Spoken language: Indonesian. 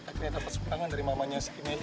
akhirnya dapat sumbangan dari mamanya seki meli